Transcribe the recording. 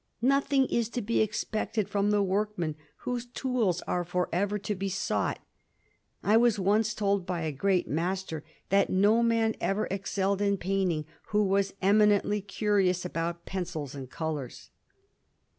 Nothing is to be ed from the workman whose tools are for ever to be t I was once told by a great master, that no man ••er excelled in painting, who was eminently curious about Pttcils and colours.